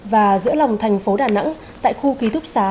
và giữa lòng thành phố đà nẵng tại khu ký túc xá